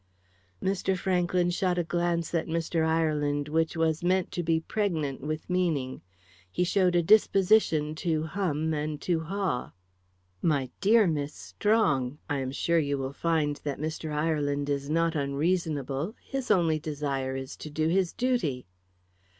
Mr. Franklyn shot a glance at Mr. Ireland which was meant to be pregnant with meaning. He showed a disposition to hum and to ha. "My dear Miss Strong, I'm sure you will find that Mr. Ireland is not unreasonable. His only desire is to do his duty."